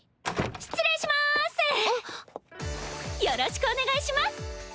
よろしくお願いします。